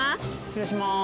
失礼します。